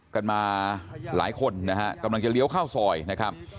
กันมาหลายคนนะฮะกำลังจะเลี้ยวเข้าซอยนะครับ